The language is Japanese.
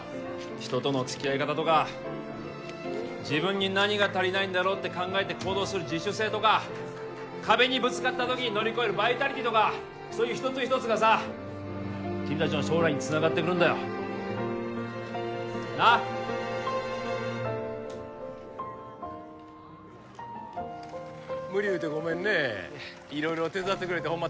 人との付き合い方とか自分に何が足りないんだろうって考えて行動する自主性とか壁にぶつかった時に乗り越えるバイタリティーとかそういう一つ一つがさ君達の将来につながってくるんだよなっ無理言うてごめんね色々手伝ってくれてホンマ